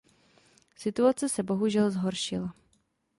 Situace se bohužel zhoršila.